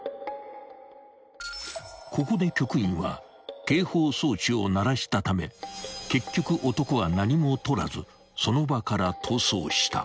［ここで局員は警報装置を鳴らしたため結局男は何も取らずその場から逃走した］